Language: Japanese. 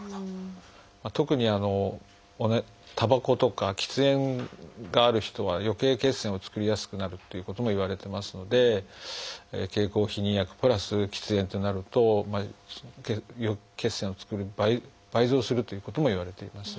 特にたばことか喫煙がある人はよけい血栓を作りやすくなるということもいわれてますので経口避妊薬プラス喫煙ってなると血栓を作る倍増するということもいわれています。